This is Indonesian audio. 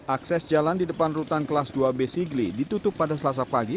akses jalan di depan rutan kelas dua b sigli ditutup pada selasa pagi